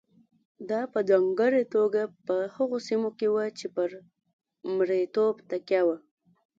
دا په ځانګړې توګه په هغو سیمو کې وه چې پر مریتوب تکیه وه.